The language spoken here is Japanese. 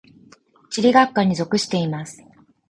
地理学科に属しています。